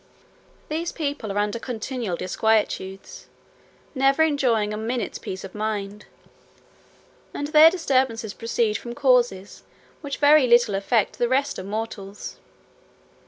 These people are under continual disquietudes, never enjoying a minute's peace of mind; and their disturbances proceed from causes which very little affect the rest of mortals.